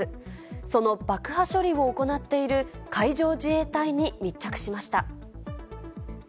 その爆破処理を行っている海上自衛隊に密着しました。